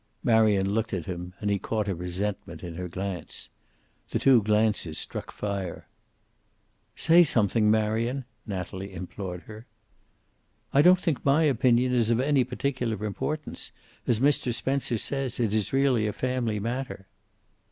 Marion looked at him, and he caught a resentment in her glance. The two glances struck fire. "Say something, Marion," Natalie implored her. "I don't think my opinion is of any particular importance. As Mr. Spencer says, it's really a family matter."